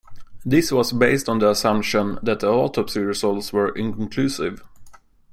This was based on the assumption that the autopsy results were inconclusive.